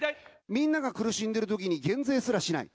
みんなが苦しんでるときに減税すらしない。